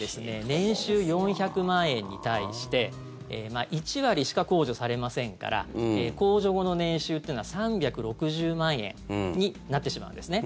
年収４００万円に対して１割しか控除されませんから控除後の年収っていうのは３６０万円になってしまうんですね。